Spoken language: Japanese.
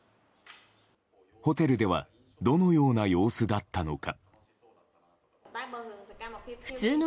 ホテルではどのような様子だったのか。